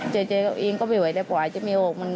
ใจเขาเองก็ไม่ไหวแล้วเพราะว่าอาจจะไม่ออก